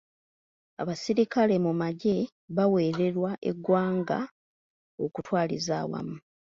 Abasirikale mu magye baweererwa eggwanga okutwaliza awamu.